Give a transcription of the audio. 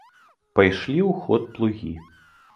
Пайшлі ў ход плугі.